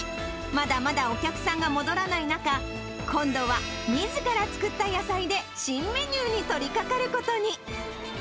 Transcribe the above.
まだまだお客さんが戻らない中、今度はみずから作った野菜で、新メニューに取りかかることに。